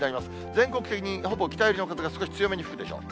全国的にほぼ北寄りの風が少し強めに吹くでしょう。